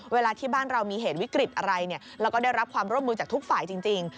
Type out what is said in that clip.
เวลาที่บ้านเรามีเหตุวิกฤตอะไรเราก็ได้รับความร่วมมือจากทุกฝ่ายจริง